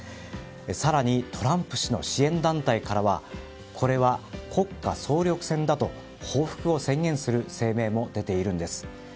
更にトランプ氏の支援団体からはこれは国家総力戦だと報復を宣言する声明も出ているんです。